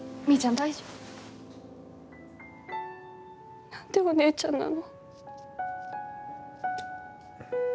なんでお姉ちゃんなの。